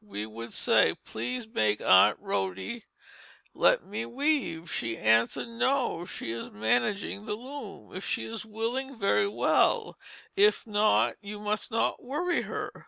We would say, 'Please make Aunt Rhody let me weave!' She answered, 'No, she is managing the loom; if she is willing, very well; if not, you must not worry her.'